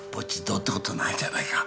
どうってことないじゃないか。